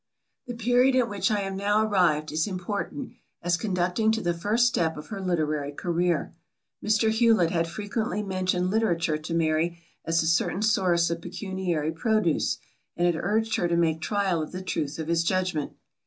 The period at which I am now arrived is important, as conducting to the first step of her literary carreer. Mr. Hewlet had frequently mentioned literature to Mary as a certain source of pecuniary produce, and had urged her to make trial of the truth of his judgment.